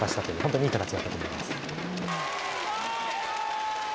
いい形だと思います。